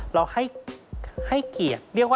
เราให้เกลียด